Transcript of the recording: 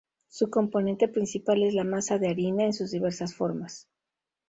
Su componente principal es la masa de harina en sus diversas formas.